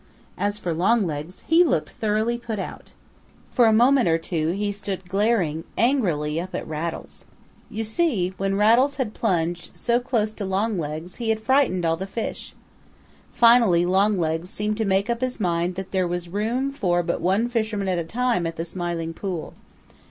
As for Longlegs, he looked thoroughly put out. For a moment or two he stood glaring angrily up at Rattles. You see, when Rattles had plunged so close to Longlegs he had frightened all the fish. Finally Longlegs seemed to make up his mind that there was room for but one fisherman at a time at the Smiling Pool.